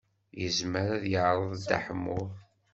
Yezmer ad yeɛreḍ Dda Ḥemmu?